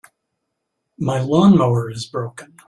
My lawn-mower is broken.